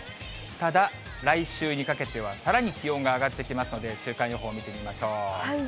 ただ、来週にかけてはさらに気温が上がってきますので、週間予報見てみましょう。